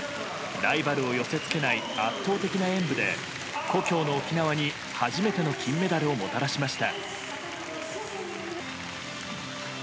ライバルを寄せ付けない圧倒的な演武で故郷の沖縄に初めての金メダルをもたらしました。